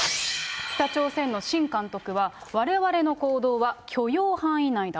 北朝鮮のシン監督は、われわれの行動は許容範囲内だ。